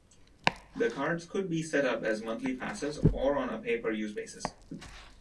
The cards could be set up as monthly passes or on a pay-per-use basis.